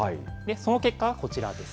その結果はこちらです。